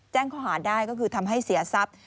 ข้อหาได้ก็คือทำให้เสียทรัพย์